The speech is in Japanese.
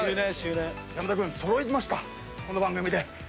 山田君揃いましたこの番組で。